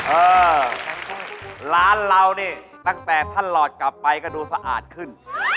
เออร้านเรานี่ตั้งแต่ท่านหลอดกลับไปก็ดูสะอาดขึ้น